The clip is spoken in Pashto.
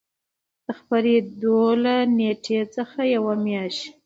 د خپرېدو له نېټې څخـه یـوه میاشـت